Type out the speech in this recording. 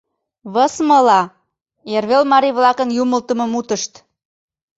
Высмыла — эрвел марий-влакын юмылтымо мутышт.